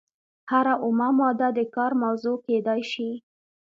هره اومه ماده د کار موضوع کیدای شي.